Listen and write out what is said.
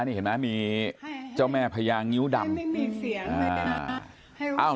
นี่เห็นไหมมีเจ้าแม่พญางิ้วดำ